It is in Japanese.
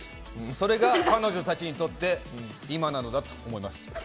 それが彼女たちにとって今なのだと思います。